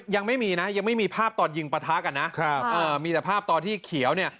ยังไม่มีนะยังไม่มีภาพตอนยิงปะทะกันนะครับมีแต่ภาพตอนที่เขียวเนี่ย